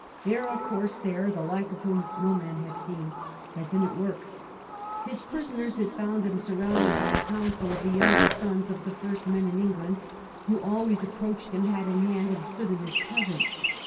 There a corsair, the like of whom no man had seen, had been at work His prisoners had found him surrounded by a council of the younger sons of the first men in England, who always approached him hat in hand and stood in his presence.